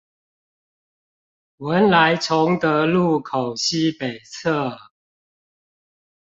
文萊崇德路口西北側